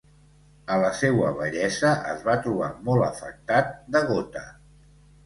A la seua vellesa es va trobar molt afectat de gota.